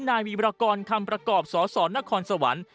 นายวีบรากรคำประกอบสสนครสวรรค์